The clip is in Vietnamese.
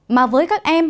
mà với các em